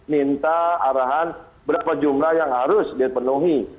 minta arahan berapa jumlah yang harus dipenuhi